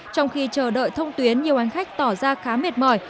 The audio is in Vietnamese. trong khi chờ đợi thông tuyến nhiều hành khách tỏ ra khá mệt mỏi